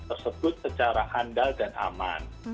tersebut secara handal dan aman